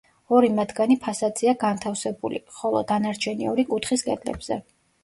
ორი მათგანი ფასადზეა განთავსებული, ხოლო დანარჩენი ორი კუთხის კედლებზე.